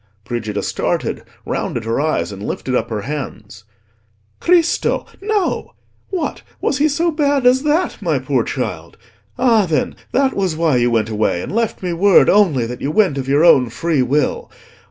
Brigida started, rounded her eyes, and lifted up her hands. "Cristo! no. What! was he so bad as that, my poor child? Ah, then, that was why you went away, and left me word only that you went of your own free will.